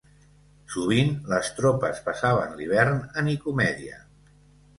Sovint, les tropes passaven l'hivern a Nicomedia.